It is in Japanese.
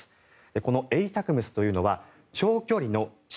このＡＴＡＣＭＳというのは長距離の地